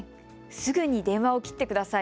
すぐに電話を切ってください。